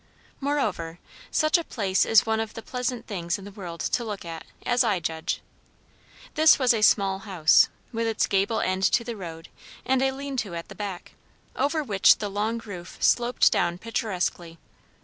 Moreover, such a place is one of the pleasant things in the world to look at, as I judge. This was a small house, with its gable end to the road, and a lean to at the back, over which the long roof sloped down picturesquely.